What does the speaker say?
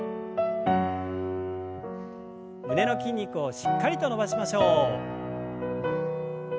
胸の筋肉をしっかりと伸ばしましょう。